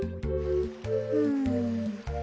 うん。